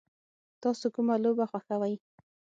تاسو کومه لوبه خوښوئ؟